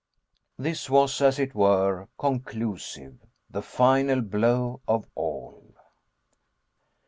This was, as it were, conclusive. The final blow of all.